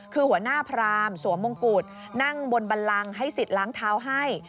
คือหัวหน้าพรามสวมมงกุฎนั่งบนบันลังให้สิทธิ์ล้างเท้าให้